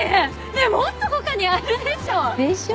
ねえもっと他にあるでしょ！でしょ？